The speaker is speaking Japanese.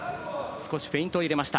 少しフェイントを入れました。